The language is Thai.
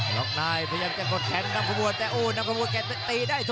จริงนะอัลอ้าเงิน